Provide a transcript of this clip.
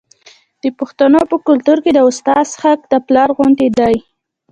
د پښتنو په کلتور کې د استاد حق د پلار غوندې دی.